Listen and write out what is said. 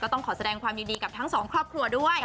ต้องขอแสดงความยินดีกับทั้งสองครอบครัวด้วย